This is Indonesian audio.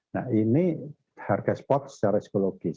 nah ini harga spot secara psikologis